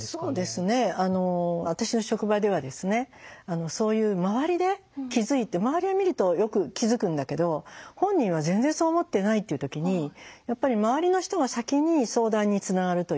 私の職場ではですねそういう周りで気付いて周りが見るとよく気付くんだけど本人は全然そう思ってないっていう時にやっぱり周りの人が先に相談につながるという。